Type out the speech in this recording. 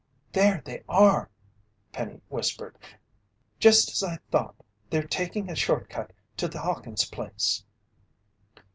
"There they are!" Penny whispered. Just as I thought! They're taking a short cut to the Hawkins' place."